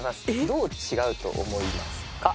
どう違うと思いますか？